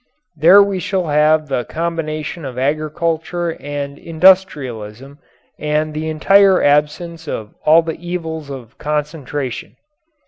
There we shall have the combination of agriculture and industrialism and the entire absence of all the evils of concentration.